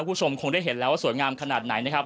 คุณผู้ชมคงได้เห็นแล้วว่าสวยงามขนาดไหนนะครับ